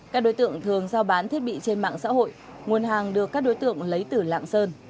các đối tượng thường giao bán thiết bị trên mạng xã hội nguồn hàng được các đối tượng lấy từ lạng sơn